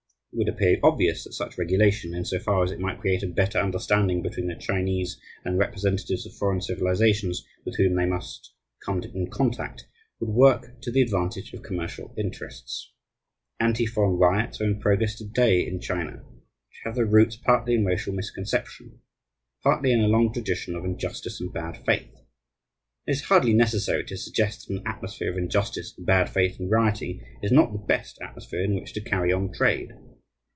It would appear obvious that such regulation, in so far as it might create a better understanding between the Chinese and the representatives of foreign civilizations with whom they must come in contact, would work to the advantage of commercial interests. Anti foreign riots are in progress to day in China which have their roots partly in racial misconception, partly in a long tradition of injustice and bad faith; and it is hardly necessary to suggest that an atmosphere of injustice, bad faith, and rioting is not the best atmosphere in which to carry on trade.